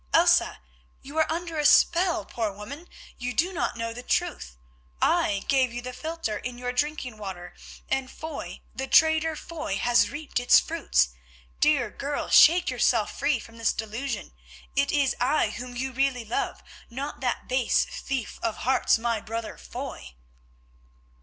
Elsa, you are under a spell, poor woman; you do not know the truth. I gave you the philtre in your drinking water, and Foy, the traitor Foy, has reaped its fruits. Dear girl, shake yourself free from this delusion, it is I whom you really love, not that base thief of hearts, my brother Foy."